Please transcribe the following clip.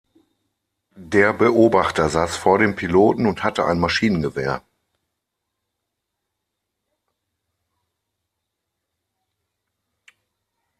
Der Beobachter saß vor dem Piloten und hatte ein Maschinengewehr.